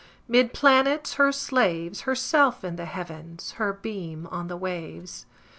'Mid planets her slaves, Herself in the Heavens, Her beam on the waves.